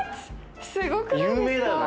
すごくないですか。